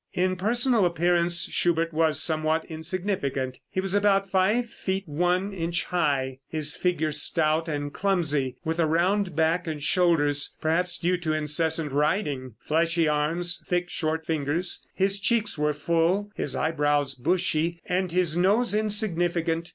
In personal appearance Schubert was somewhat insignificant. He was about five feet one inch high, his figure stout and clumsy, with a round back and shoulders, perhaps due to incessant writing, fleshy arms, thick, short fingers. His cheeks were full, his eyebrows bushy and his nose insignificant.